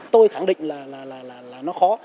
tôi khẳng định là nó khó